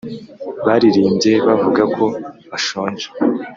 baririmbye bavuga ko bashonje